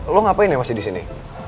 lo ngapain ya masih disini